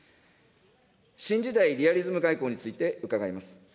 新時代リアリズム外交について伺います。